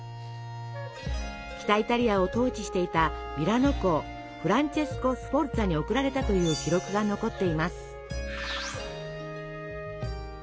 北イタリアを統治していたミラノ公フランチェスコ・スフォルツァに贈られたという記録が残っています。